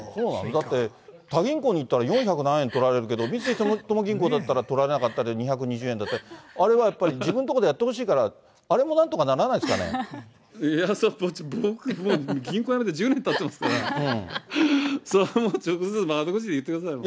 だって、他銀行に行ったら４０７円取られるけど、三井住友銀行だったら、取られなかったり、２２０円だったり、あれはやっぱり自分のところでやってほしいから、あれもなんとかいや、僕もう、銀行辞めて１０年たってますから、それはもう直接、窓口で言ってくださいよ。